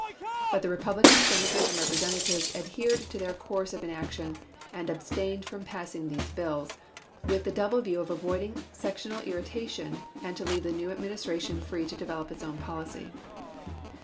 But the Repub lican Senators and Representatives adhered to their course of inaction, and abstained from passing these bills, with the double view of avoiding sec tional irritation, and to leave the new Administra tion free to develop its own policy.